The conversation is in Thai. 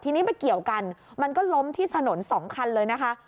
ทีนี้ไปเกี่ยวกันมันก็ล้มที่ถนนสองคันเลยนะคะ